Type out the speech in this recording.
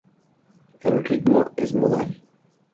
El ritmo es modal.